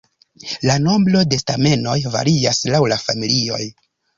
La nombro de stamenoj varias laŭ la familioj.